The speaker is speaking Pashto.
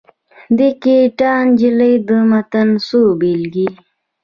د ګیتا نجلي د متن څو بېلګې.